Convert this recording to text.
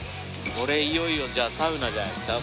これいよいよじゃあサウナじゃないですか？